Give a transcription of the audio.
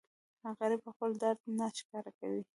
غریب خپل درد نه ښکاره کوي